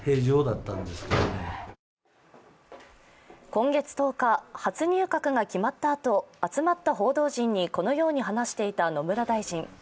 今月１０日、初入閣が決まったあと集まった報道陣にこのように話していた野村大臣。